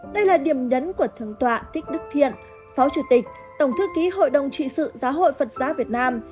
đây là điểm nhấn của thượng tọa thích đức thiện phó chủ tịch tổng thư ký hội đồng trị sự giáo hội phật giáo việt nam